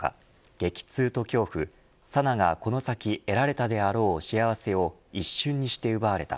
激痛と恐怖紗菜がこの先得られたであろう幸せを一瞬にして奪われた。